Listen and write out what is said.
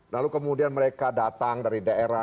lalu kemudian mereka datang dari daerah